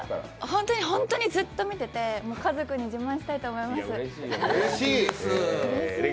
本当に本当にずっと見てて家族に自慢したいと思います。